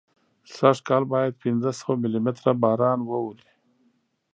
سږکال باید پینځه سوه ملي متره باران واوري.